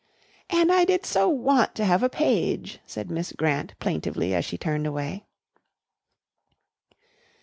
"And I did so want to have a page," said Miss Grant plaintively as she turned away.